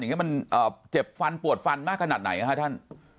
คือมันเจ็บฟันปวดฟันมากขนาดไหนนะครับท่าน